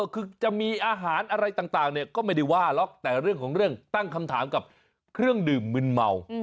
คือจะมีอาหารอะไรต่างเนี่ยก็ไม่ได้ว่าหรอกแต่เรื่องของเรื่องตั้งคำถามกับเครื่องดื่มมืนเมา